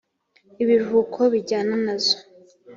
ibiruhuko bijyana nazo